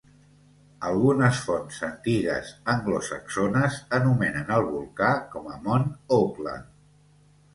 Algunes fonts antigues anglosaxones anomenen el volcà com a Mont Auckland.